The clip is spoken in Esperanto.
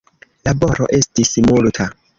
Laboro estis multa.